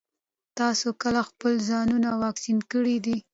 تاسو کله خپل ځانونه واکسين کړي دي؟